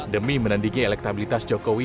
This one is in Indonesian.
demi menandiki elektabilitas jokowi